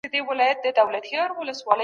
دولتونه صداقت ته لومړیتوب ورکوي.